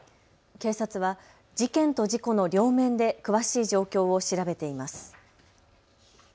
警察は事件と事故の両面で詳しい状況を調べています。